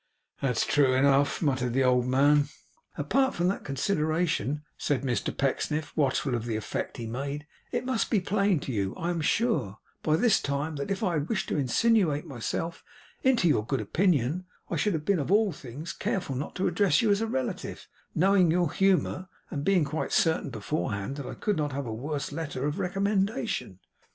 'That's true enough,' muttered the old man. 'Apart from that consideration,' said Mr Pecksniff, watchful of the effect he made, 'it must be plain to you (I am sure) by this time, that if I had wished to insinuate myself into your good opinion, I should have been, of all things, careful not to address you as a relative; knowing your humour, and being quite certain beforehand that I could not have a worse letter of recommendation.